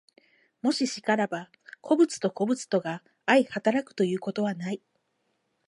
もし然らば、個物と個物とが相働くということはない。